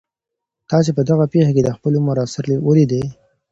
تاسي په دغه پېښي کي د خپل عمر اثر ولیدی؟